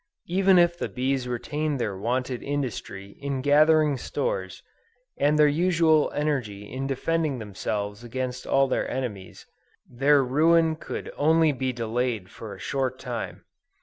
Even if the bees retained their wonted industry in gathering stores, and their usual energy in defending themselves against all their enemies, their ruin could only be delayed for a short time.